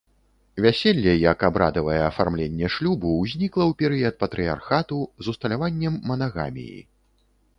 Вяселле як абрадавае афармленне шлюбу ўзнікла ў перыяд патрыярхату з усталяваннем манагаміі.